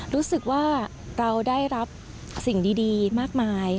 รู้สึกว่าเราได้รับสิ่งดีมากมาย